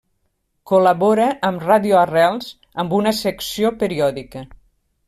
Col·labora amb Ràdio Arrels amb una secció periòdica.